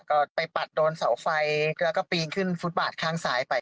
ก็ไปปัดโดนเสาไฟแล้วก็ปีนขึ้นฟุตบาทข้างซ้ายไป